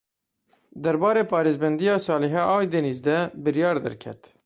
Derbarê parêzbendiya Salihe Aydeniz de biryar derket.